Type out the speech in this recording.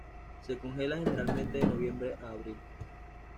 Se congela generalmente de noviembre a abril.